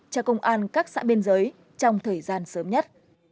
cho công an các xã biên giới trong thời gian sớm nhất